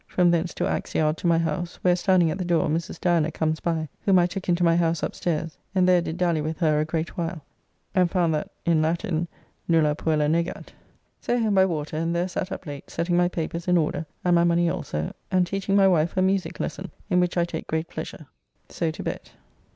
From thence to Axe Yard to my house, where standing at the door Mrs. Diana comes by, whom I took into my house upstairs, and there did dally with her a great while, and found that in Latin "Nulla puella negat." So home by water, and there sat up late setting my papers in order, and my money also, and teaching my wife her music lesson, in which I take great pleasure. So to bed.